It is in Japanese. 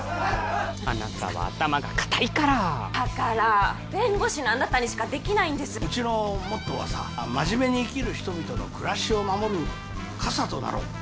あなたは頭が固いからだから弁護士のあなたにしかできないんですうちのモットーはさ「真面目に生きる人々の暮らしを守る傘となろう」